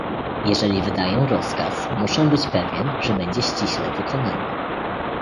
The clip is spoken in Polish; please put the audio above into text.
"Jeżeli wydaję rozkaz, muszę być pewien, że będzie ściśle wykonany."